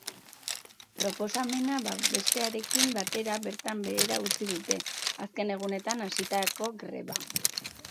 Proposamena babestearekin batera bertan behera utzi dute azken egunetan hasitako greba.